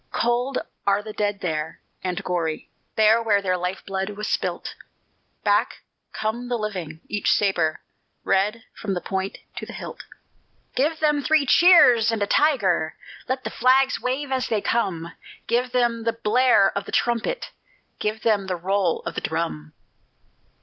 Cold are the dead there, and gory, There where their life blood was spilt, Back come the living, each sabre Red from the point to the hilt. Give them three cheers and a tiger! Let the flags wave as they come! Give them the blare of the trumpet! Give them the roll of the drum!